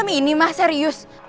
ini mah serius